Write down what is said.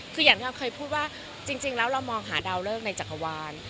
คืออย่างที่เราเคยพูดว่าจริงแล้วเรามองหาดาวเลิกในจักรวาล